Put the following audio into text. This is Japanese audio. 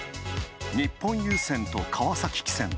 日本郵船と川崎汽船。